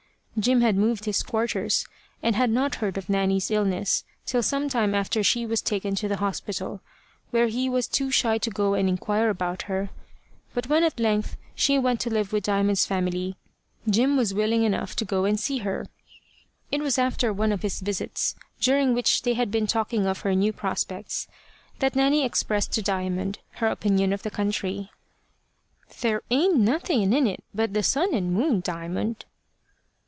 Jim had moved his quarters, and had not heard of Nanny's illness till some time after she was taken to the hospital, where he was too shy to go and inquire about her. But when at length she went to live with Diamond's family, Jim was willing enough to go and see her. It was after one of his visits, during which they had been talking of her new prospects, that Nanny expressed to Diamond her opinion of the country. "There ain't nothing in it but the sun and moon, Diamond."